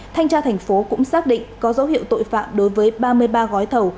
thanh tra thành phố cũng xác định có dấu hiệu tội phạm đối với ba mươi ba gói thầu